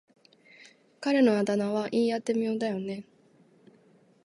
彼のあだ名は言い得て妙だよね。